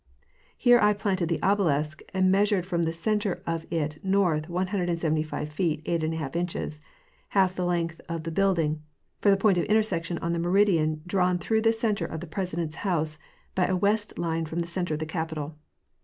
Here I planted the obe lisk, and measured from the center of it north 175 feet 8} inches, half the length of the building, for the point of intersection on the meridian drawn through the center of the President's house by a west line from the center of the Capitol.